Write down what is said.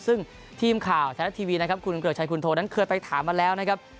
ซึ่งทีมข่าวไทยรัฐทีวีนะครับคุณเกริกชัยคุณโทนั้นเคยไปถามมาแล้วนะครับ